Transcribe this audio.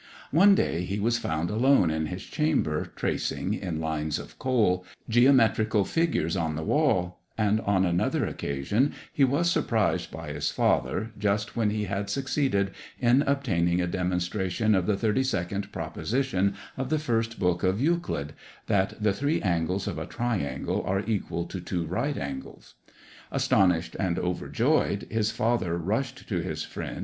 One day he was found alone in his chamber, tracing, in lines of coal, geometrical figures on the wall; and, on another occasion, he was surprised by his father, just when he had succeeded in obtaining a demonstration of the 32nd proposition of the first book of Euclid that the three angles of a triangle are equal to two right angles. Astonished and overjoyed, his father rushed to his friend, M.